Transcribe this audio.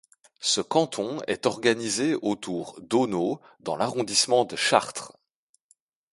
Ce canton est organisé autour d'Auneau dans l'arrondissement de Chartres.